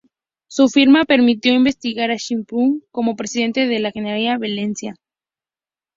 Su firma permitió investir a Ximo Puig como presidente de la Generalitat Valenciana.